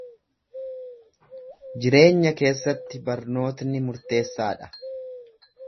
Jireenya keessatti barnootni murteessa dha.